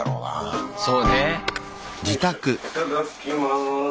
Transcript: いただきます。